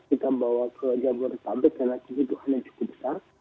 kita bawa ke jabodetabek karena kini tuhannya cukup besar